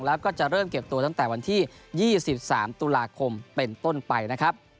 แล้วก็จะเริ่มเก็บตัวตั้งแต่วันที่๒๓ตุลาคมเป็นต้นไปนะครับ